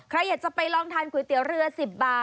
ใครอยากจะไปลองทานขุยเตี๋ยวเรื้อที่นี่นะครับ